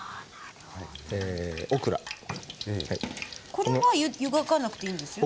これは湯がかなくていいんですよね？